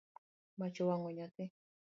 Mach owango nyathi